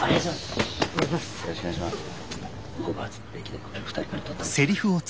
よろしくお願いします。